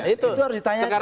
itu harus ditanyakan